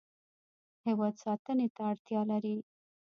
هیواد ساتنې ته اړتیا لري.